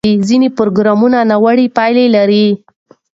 ځینې پروګرامونه ناوړه پایلې لري.